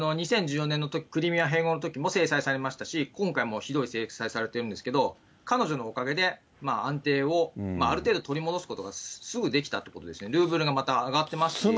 ２０１４年のとき、クリミア併合のときも制裁されましたし、今回もひどい制裁をされているんですけれども、彼女のおかげで安定をある程度取り戻すことがすぐできたってことですよね、ルーブルがまた上がってますし。